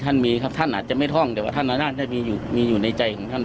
ท่านมีครับท่านอาจจะไม่ท่องแต่ว่าท่านอาจจะมีอยู่มีอยู่ในใจของท่าน